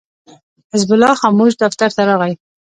حزب الله خاموش دفتر ته راغی.